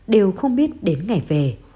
đều không biết đến ngày về